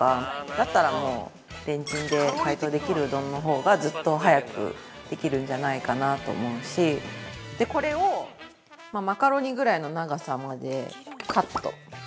だったらもう、レンチンで解凍できるうどんのほうがずっと早くできるんじゃないかなと思うし、でこれをマカロニぐらいの長さまでカット。